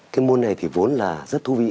cái môn này thì vốn là rất thú vị